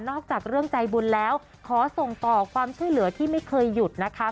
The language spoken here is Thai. จากเรื่องใจบุญแล้วขอส่งต่อความช่วยเหลือที่ไม่เคยหยุดนะคะ